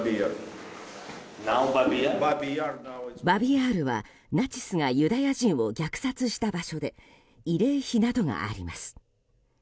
バビ・ヤールはナチスがユダヤ人を虐殺した場所で慰霊碑などがあります。